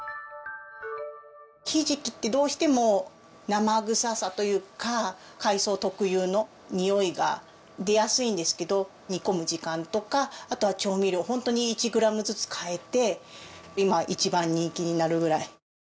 ひじきってどうしても生臭さというか海藻特有のにおいが出やすいんですけど煮込む時間とかあとは調味料ホントに１グラムずつ変えて今一番人気になるぐらい。